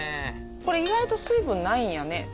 これ意外と水分ないんやね。